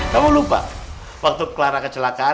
kamu lupa waktu kelara kecelakaan